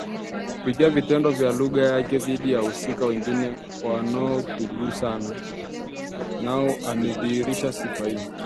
Kupitia vitendo na lugha yake dhidi ya wahusika wengine anaotagusana nao amedhihirisha sifa hiyo